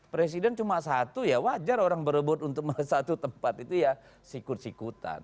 presiden cuma satu ya wajar orang berebut untuk satu tempat itu ya sikut sikutan